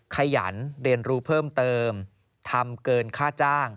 ขยันเรียนรู้เพิ่มเติมทำเกินค่าจ้าง